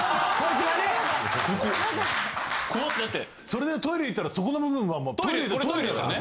それでトイレ行ったらそこの部分はもうトイレだからね。